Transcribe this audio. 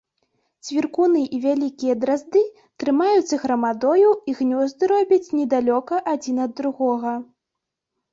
Цвіркуны і вялікія дразды трымаюцца грамадою і гнёзды робяць недалёка адзін ад другога.